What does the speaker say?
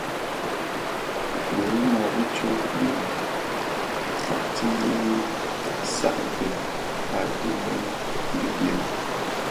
Biwuma bi tsog bin mbiň sakti sakti a dhilem bi byō.